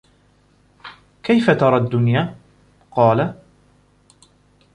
كَيْفَ تَرَى الدُّنْيَا ؟ قَالَ